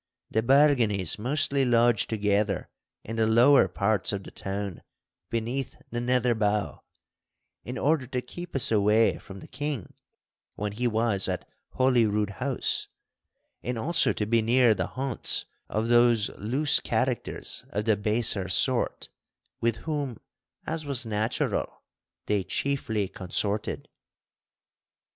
The Barganies mostly lodged together in the lower parts of the town beneath the Nether Bow, in order to keep us away from the King when he was at Holyrood House, and also to be near the haunts of those loose characters of the baser sort with whom, as was natural, they chiefly consorted.